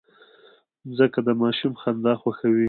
مځکه د ماشوم خندا خوښوي.